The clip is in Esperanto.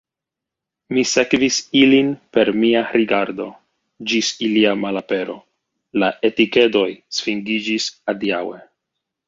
Mi sekvis ilin per mia rigardo, ĝis ilia malapero, la etikedoj svingiĝis adiaŭe.